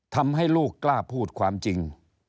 ทำให้ลูกกล้าพูดความจริง